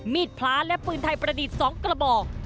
มีดพลาและปืนไทยประดิษฐ์สองกระบอก